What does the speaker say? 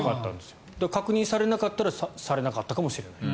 確認されなかったらされなかったかもしれない。